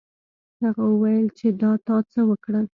هغه وویل چې دا تا څه وکړل.